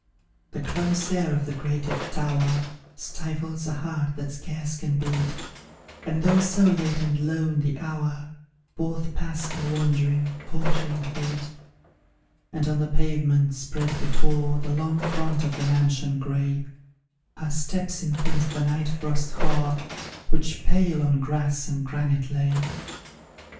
The close air of the grated tower Stifles a heart that scarce can beat, And, though so late and lone the hour, Forth pass her wandering, faltering feet; And on the pavement spread before The long front of the mansion grey, Her steps imprint the night frost hoar, Which pale on grass and granite lay.